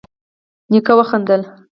نيکه وخندل: